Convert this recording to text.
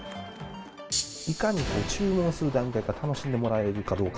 いかに注文する段階から、楽しんでもらえるかどうか。